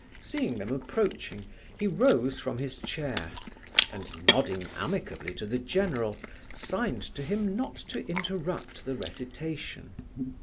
Seeing them approaching, he rose from his chair, and nodding amicably to the general, signed to him not to interrupt the recitation.